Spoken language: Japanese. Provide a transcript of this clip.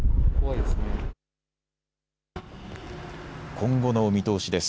今後の見通しです。